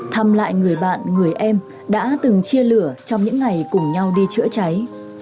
thăm lại người bạn người em đã từng chia lửa trong những ngày cùng nhau đi chữa cháy